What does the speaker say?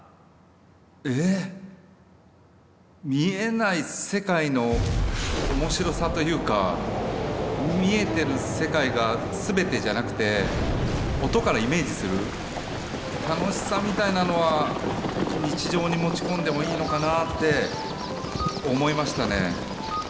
え見えない世界の面白さというか見えてる世界が全てじゃなくて音からイメージする楽しさみたいなのは日常に持ち込んでもいいのかなぁって思いましたね。